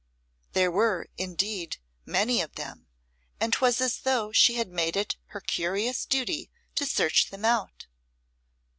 There were, indeed, many of them, and 'twas as though she had made it her curious duty to search them out.